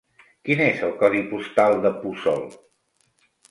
Quin és el codi postal de Puçol?